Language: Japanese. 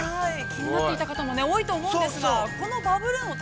◆気になっていた方も多いと思うんですけれども。